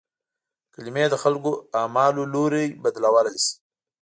کلمې د خلکو اعمالو لوری بدلولای شي.